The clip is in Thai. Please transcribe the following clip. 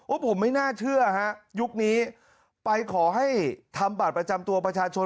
ผมไม่น่าเชื่อฮะยุคนี้ไปขอให้ทำบัตรประจำตัวประชาชน